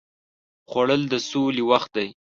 خوړل د سولې وخت دی